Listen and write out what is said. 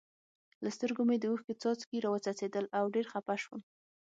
له سترګو مې د اوښکو څاڅکي را و څڅېدل او ډېر خپه شوم.